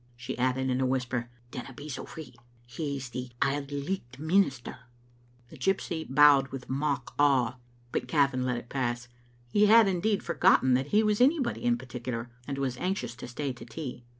She added in a whisper, " Dinna be so free ; he's the Auld Licht minister." The gypsy bowed with mock awe, but Gavin let it pass. He had, indeed, forgotten that he was anybody in particular, and was anxious to stay to tea.